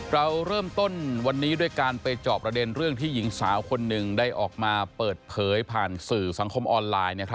เราเริ่มต้นวันนี้ด้วยการไปจอบประเด็นเรื่องที่หญิงสาวคนหนึ่งได้ออกมาเปิดเผยผ่านสื่อสังคมออนไลน์